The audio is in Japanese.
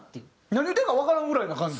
何言うてるかわからんぐらいな感じ。